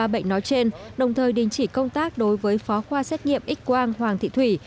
ba bệnh nói trên đồng thời đình chỉ công tác đối với phó khoa xét nghiệm x quang hoàng thị thủy